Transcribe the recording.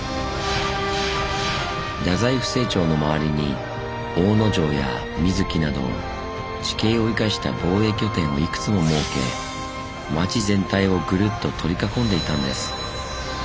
大宰府政庁の周りに大野城や水城など地形を生かした防衛拠点をいくつも設け街全体をぐるっと取り囲んでいたんです。